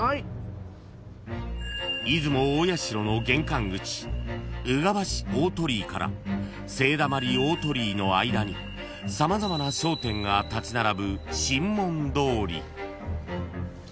［出雲大社の玄関口宇迦橋大鳥居から勢溜大鳥居の間に様々な商店が立ち並ぶ］